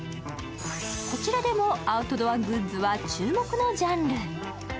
こちらでもアウトドアグッズは注目のジャンル。